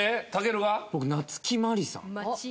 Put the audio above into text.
僕夏木マリさん。